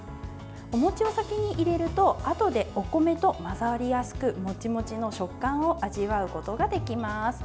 お餅を先に入れるとあとで、お米と混ざりやすくモチモチの食感を味わうことができます。